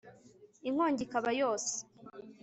inkongi ikaba yose